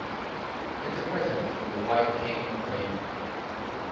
It’s a present from the White King and Queen.